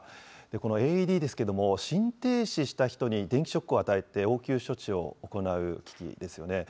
このＡＥＤですけれども、心停止した人に電気ショックを与えて応急処置を行う機器ですよね。